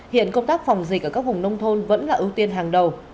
hiện công tác phòng dịch ở các vùng nông thôn vẫn là ưu tiên hàng đầu